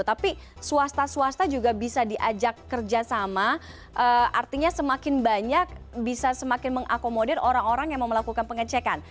tapi swasta swasta juga bisa diajak kerjasama artinya semakin banyak bisa semakin mengakomodir orang orang yang mau melakukan pengecekan